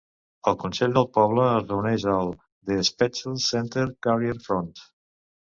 El consell del poble es reuneix al The Spetchells Centre, Carrer Front.